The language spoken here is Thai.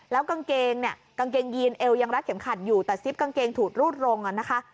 แล้วกางเกงยีนเอวยังรักเข็มขัดอยู่แต่ซิปกางเกงถูดรูดลงนะคะ